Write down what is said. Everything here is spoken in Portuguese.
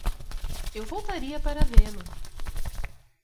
Eu voltaria para vê-lo!